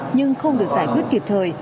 nhưng không được giải quyết kịp thời